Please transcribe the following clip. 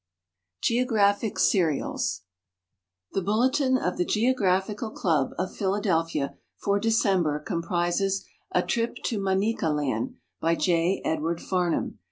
GEOGRAPHIC SHRIALS The Bulletin of the Geographical Club of Philadelphia for December com prises "A Trijo toManika Land," by J. Edward Farnum.